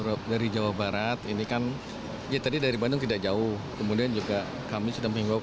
terima kasih dari jawa barat ini kan ya tadi dari bandung tidak jauh kemudian juga kami sudah mengingok